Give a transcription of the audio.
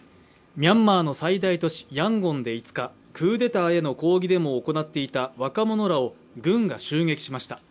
ミャンマーの最大都市ヤンゴンで５日、クーデターへの抗議デモを行っていた若者らを軍が襲撃しました。